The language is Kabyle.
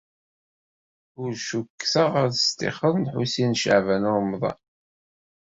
Ur cukkteɣ ara ad d-stixren Lḥusin n Caɛban u Ṛemḍan.